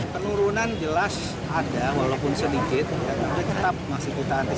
penurunan jelas ada walaupun sedikit tapi tetap masih kita antisipa